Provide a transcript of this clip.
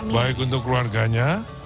baik untuk keluarganya